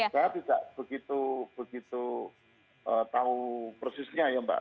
saya tidak begitu tahu persisnya ya mbak